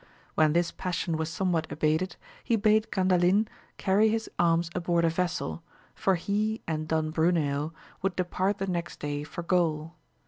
When this passion was somewhat abated, he bade Gandalin carry his arms aboard a vessel, for he and Don Bruneo would depart the next day for Gaul.